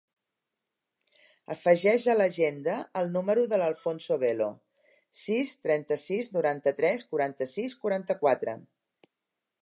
Afegeix a l'agenda el número de l'Alfonso Velo: sis, trenta-sis, noranta-tres, quaranta-sis, quaranta-quatre.